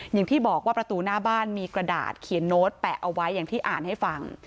อย่างที่บอกว่าประตูหน้าบ้านมีกระดาษเขียนโน้ตแปะเอาไว้อย่างที่อ่านให้ฟัง